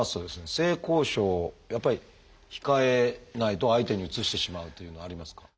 性交渉をやっぱり控えないと相手にうつしてしまうというのはありますか？